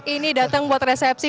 ini datang buat resepsi